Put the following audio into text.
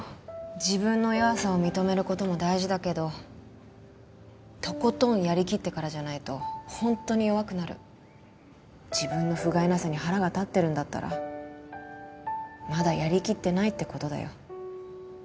自分の弱さを認めることも大事だけどとことんやりきってからじゃないとホントに弱くなる自分のふがいなさに腹が立ってるんだったらまだやりきってないってことだよ